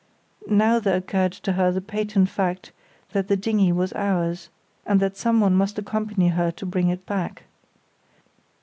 Now there occurred to her the patent fact that the dinghy was ours, and that someone must accompany her to bring it back.